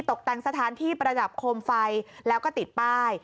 ตกแต่งสถานที่ประดับโคมไฟแล้วก็ติดป้าย